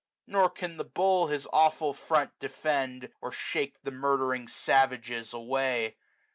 Nor can the bull his awful front defend, 400 Or shake the murdering savages away.